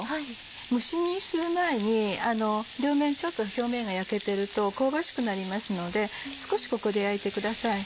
蒸し煮にする前に両面ちょっと表面が焼けてると香ばしくなりますので少しここで焼いてください。